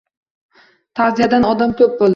Ta’ziyada odam ko‘p bo‘ldi